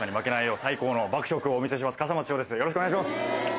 よろしくお願いします。